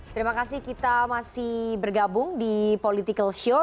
terima kasih kita masih bergabung di political show